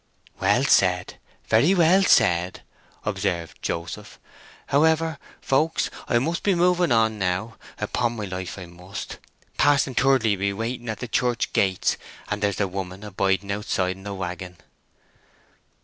"Well said—very well said," observed Joseph.—"However, folks, I must be moving now: upon my life I must. Pa'son Thirdly will be waiting at the church gates, and there's the woman a biding outside in the waggon."